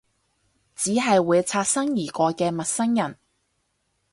只係會擦身而過嘅陌生人？